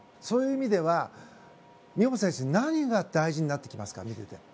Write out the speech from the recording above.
そういう意味では美帆選手何が大事になってきますか。